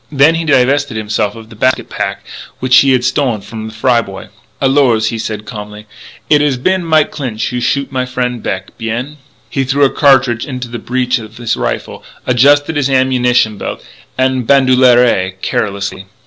Then he divested himself of the basket pack which he had stolen from the Fry boy. "Alors," he said calmly, "it has been Mike Clinch who shoot my frien' Beck. Bien." He threw a cartridge into the breech of his rifle, adjusted his ammunition belt en bandoulière, carelessly.